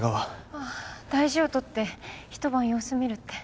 ああ大事を取ってひと晩様子見るって。